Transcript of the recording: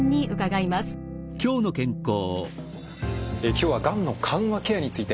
今日はがんの緩和ケアについて。